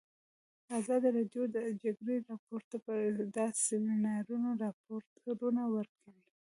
ازادي راډیو د د جګړې راپورونه په اړه د سیمینارونو راپورونه ورکړي.